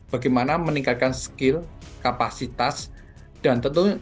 bagaimana meningkatkan skill kapasitas dan tentunya